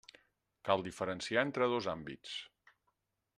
Cal diferenciar entre dos àmbits.